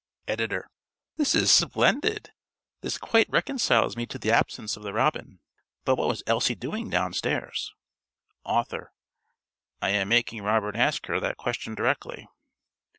(~Editor.~ This is splendid. This quite reconciles me to the absence of the robin. But what was Elsie doing downstairs? ~Author.~ _I am making Robert ask her that question directly.